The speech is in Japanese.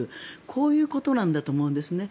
こういうことなんだと思うんですね。